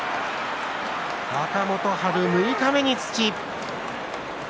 若元春、六日目に土。